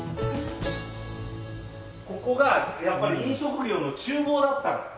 ここがやっぱり飲食業の厨房だったの。